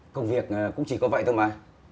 công việc cũng chỉ có vậy thôi mà